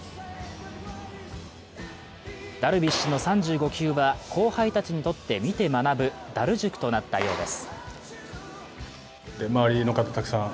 ダルビッシュの３５球は後輩たちにとって見て学ぶダル塾となったようです。